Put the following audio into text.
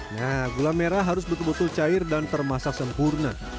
nah gula merah harus betul betul cair dan termasak sempurna